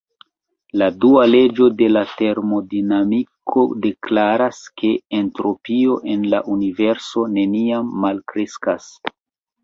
La dua leĝo de termodinamiko deklaras, ke entropio en la Universo neniam malkreskas.